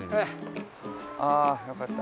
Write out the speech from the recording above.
ああよかった。